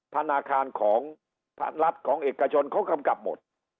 ธนาคารของรัฐของเอกชนเขากำกับหมด